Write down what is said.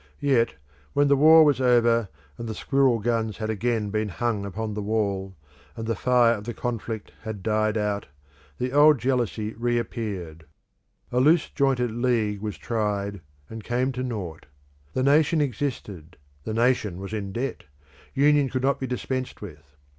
Yet when the war was over, and the squirrel guns had again been hung upon the wall, and the fire of the conflict had died out, the old jealousy reappeared. A loose jointed league was tried and came to nought. The nation existed; the nation was in debt; union could not be dispensed with.